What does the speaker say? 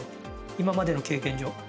今までの経験上。